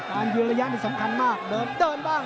การยืนระยะนี่สำคัญมากเดินบ้าง